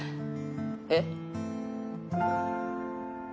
えっ？